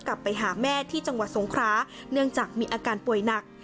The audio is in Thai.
กลับไปหาแม่ที่จังหวัดสงคราเนื่องจากมีอาการป่วยหนัก